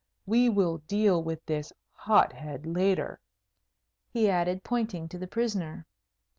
We will deal with this hot head later," he added, pointing to the prisoner.